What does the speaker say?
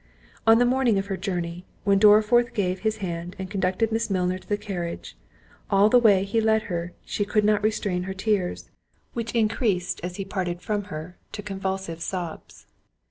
On the morning of her journey, when Dorriforth gave his hand and conducted Miss Milner to the carriage, all the way he led her she could not restrain her tears; which increased, as he parted from her, to convulsive sobs.